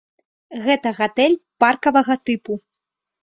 Гэта гатэль паркавага тыпу.